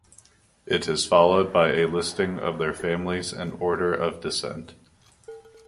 It is followed by a listing of their families in order of descent.